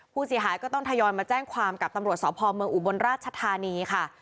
ผู้เสียหายก็ต้องทยอยมาแจ้งความกับตำรวจสพเมืองอุบลราชธานีค่ะ